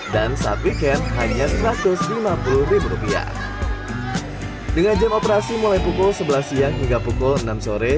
dan saat weekend hanya satu ratus lima puluh rupiah dengan jam operasi mulai pukul sebelas siang hingga pukul enam sore